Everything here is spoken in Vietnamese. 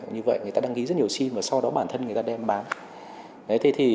như vậy người ta đăng ký rất nhiều sim và sau đó bản thân người ta đem bán